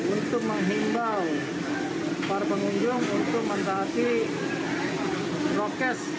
untuk menghimbau para pengunjung untuk mentaati rokes